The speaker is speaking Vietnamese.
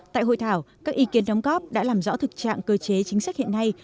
tại hội thảo các ý kiến đóng góp đã làm rõ thực trạng cơ chế chính sách hiện nay